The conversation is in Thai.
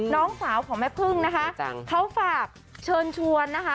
น้องสาวของแม่พึ่งนะคะเขาฝากเชิญชวนนะคะ